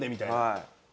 はい。